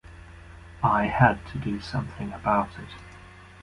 I had to do something about it.